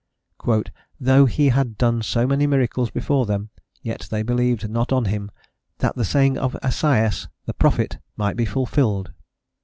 "Though he had done so many miracles before them, yet they believed not on him: that the saying of Esaias the prophet _might be fulfilled.